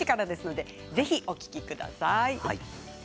ぜひお聴きください。